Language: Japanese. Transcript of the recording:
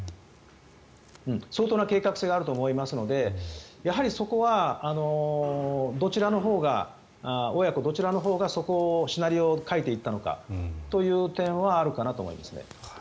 相当な計画性があると思いますのでやはり、そこは親子どちらのほうがシナリオを描いていったのかというところがあると思います。